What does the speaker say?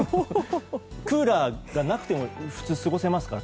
クーラーがなくても普通、過ごせますから。